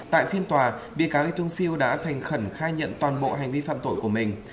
tại phiên tòa bị cáo y tung siu đã thành khẩn khai nhận toàn bộ hành vi phạm tội của mình